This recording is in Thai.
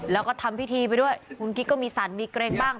แล้วก็ทำพิธีไปด้วยคุณกิ๊กก็มีสั่นมีเกรงบ้าง